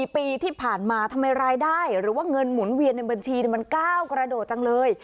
ปีที่ผ่านมาทำไมรายได้หรือว่าเงินหมุนเวียนในบัญชีมันก้าวกระโดดจังเลย